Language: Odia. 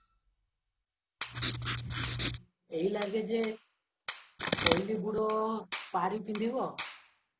ଏଇଲାଗେ ଯେ କୋଇଲିବୁଡ଼ ପାରି ପିନ୍ଧିବ?